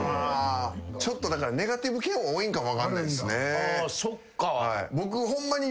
だからネガティブ系多いんかも分かんないっすね。